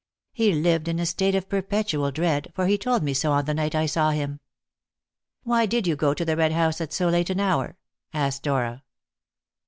He lived in a state of perpetual dread, for he told me so on the night I saw him." "Why did you go to the Red House at so late an hour?" asked Dora.